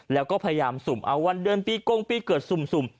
แล้วก็พยายามสุ่มเอาวันเดือนปีกงปีเกิดสุ่ม